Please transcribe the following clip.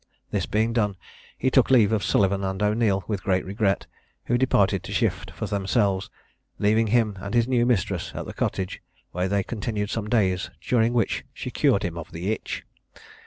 This being done, he took leave of Sullivan and O'Neil with great regret, who departed to shift for themselves, leaving him and his new mistress in the cottage, where they continued some days, during which she cured him of the itch.